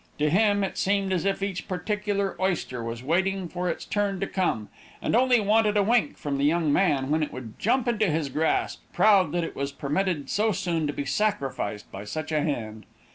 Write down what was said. To him, it seemed as if each particular oyster was waiting for its turn to come, and only wanted a wink from the young man, when it would jump into his grasp, proud that it was permitted so soon to be sacrificed by such a hand.